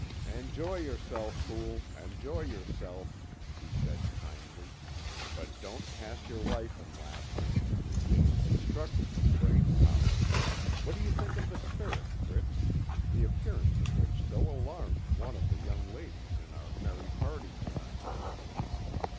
"Enjoy yourself, fool, enjoy yourself," he said kindly; "but don't pass your life in laughter; it is destructive of brain power. What do you think of the spirit, Fritz, the appearance of which so alarmed one of the young ladies in our merry party to night?"